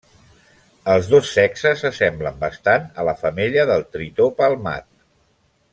Els dos sexes s'assemblen bastant a la femella del tritó palmat.